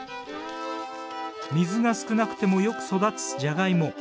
水が少なくてもよく育つジャガイモ。